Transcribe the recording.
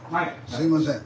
すいません。